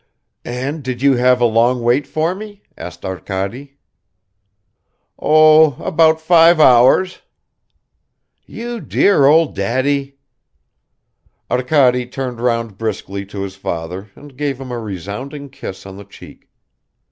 "And did you have a long wait for me?" asked Arkady. "Oh, about five hours." "You dear old daddy!" Arkady turned round briskly to his father and gave him a resounding kiss on the cheek.